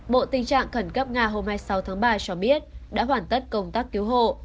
bộ tình trạng khẩn cấp nga hôm hai mươi sáu tháng ba cho biết đã hoàn tất công tác cứu hộ